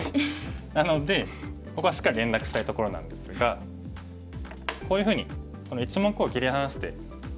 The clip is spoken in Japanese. なのでここはしっかり連絡したいところなんですがこういうふうにこの１目を切り離して。